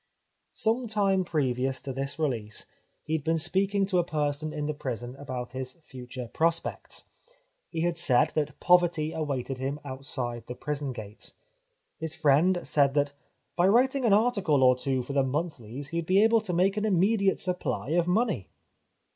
Some time previous to this release he had been speaking to a person in the prison about his future prospects. He had said that poverty awaited him outside the prison gates. His friend said that " by writing an article or two for the monthlies he would be able to earn an immediate supply of money."